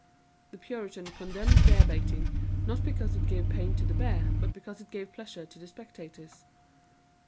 "The Puritan condemned bear baiting, not because it gave pain to the bear, but because it gave pleasure to the spectators."